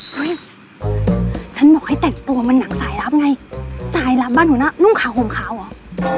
คุณปล่อยฉันบอกให้แตกตัวมันหลังสายลับไงสายลับบ้านหัวหน้านุ่มขาวห่มขาวอ่ะ